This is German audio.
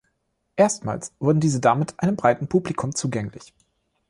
Erstmals wurden diese damit einem breiten Publikum zugänglich.